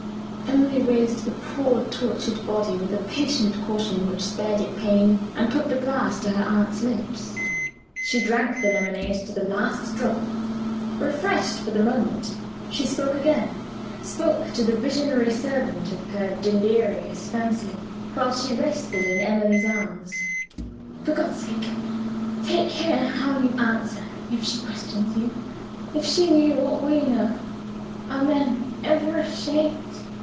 Emily raised the poor tortured body with a patient caution which spared it pain, and put the glass to her aunt's lips. She drank the lemonade to the last drop. Refreshed for the moment, she spoke again spoke to the visionary servant of her delirious fancy, while she rested in Emily's arms. "For God's sake, take care how you answer if she questions you. If she knew what we know! Are men ever ashamed?